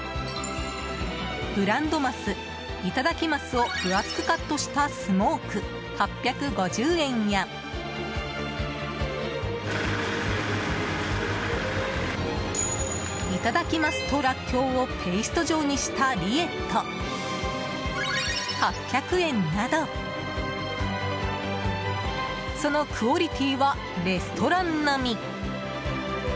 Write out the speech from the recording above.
ブランドマス、頂鱒を分厚くカットしたスモーク８５０円や頂鱒とらっきょうをペースト状にしたリエット８００円などそのクオリティーはレストラン並み。